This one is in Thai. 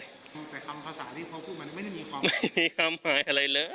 แต่คำภาษาที่เขาพูดมันไม่ได้มีความคิด